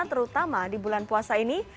terutama di bulan puasa ini